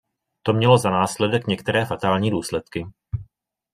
To mělo za následek některé fatální důsledky.